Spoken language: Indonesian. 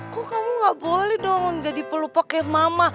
kok kamu gak boleh dong jadi pelupa kayak mama